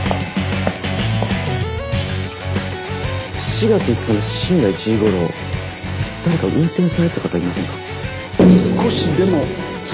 ４月５日の深夜１時ごろ誰か運転されてた方いませんか？